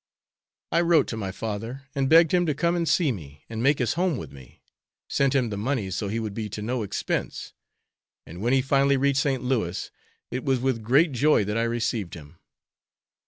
I wrote to my father and begged him to come and see me and make his home with me; sent him the money, so he would be to no expense, and when he finally reached St. Louis, it was with great joy that I received him.